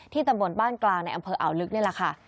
ตำบลบ้านกลางในอำเภออ่าวลึกนี่แหละค่ะ